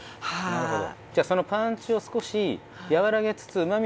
なるほど。